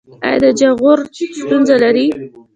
ایا د جاغور ستونزه لرئ؟